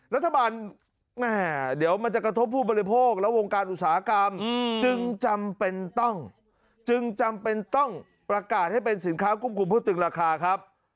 รัฐบาลเดี๋ยวมันจะกระทบผู้บริโภคและวงการอุตสาหกรรมจึงจำเป็นต้องจึงจำเป็นต้องประกาศให้เป็นสินค้าควบคุมผู้ตึงราคาครับ